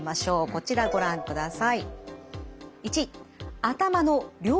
こちらご覧ください。